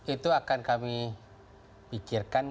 itu akan kami pikirkan